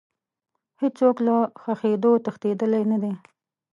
هیڅ څوک له ښخېدو تښتېدلی نه دی.